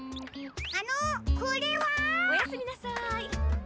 あのこれは？おやすみなさい。